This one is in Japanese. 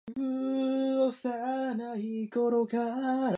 今日、ともだちといっしょに、大学に行きます。